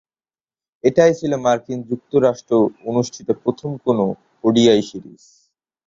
এটাই ছিল মার্কিন যুক্তরাষ্ট্র অনুষ্ঠিত প্রথম কোন ওডিআই সিরিজ।